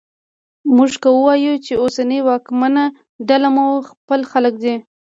موږ که وایوو چې اوسنۍ واکمنه ډله مو خپل خلک دي